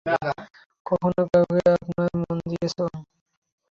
কখনও কাউকে আপনার মন দিয়েছ?